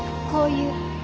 こういう。